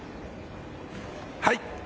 はい。